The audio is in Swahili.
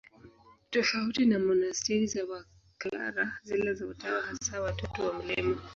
Tofauti na monasteri za Waklara, zile za Utawa Hasa wa Tatu wa Mt.